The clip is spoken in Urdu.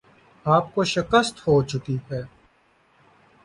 آپ کو شکست ہوچکی ہے